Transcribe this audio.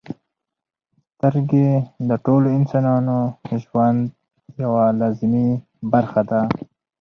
• سترګې د ټولو انسانانو ژوند یوه لازمي برخه ده.